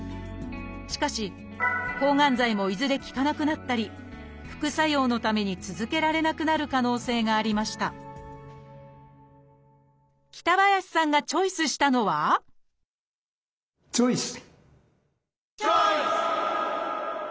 しかし抗がん剤もいずれ効かなくなったり副作用のために続けられなくなる可能性がありました北林さんがチョイスしたのはチョイス！